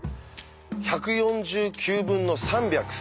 １４９分の３３１は。